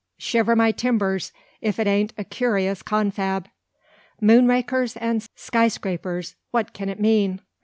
Shiver my timbers, if it ain't a curious confab! Moonrakers and skyscrapers! what can it mean?"